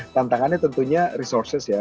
tantangannya tentunya resources ya